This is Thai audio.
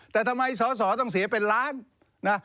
แต่ทำไมสอสอต้องเสียเป็นล้านนะ